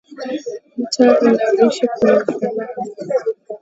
Mtaa ninaoishi kuna usalama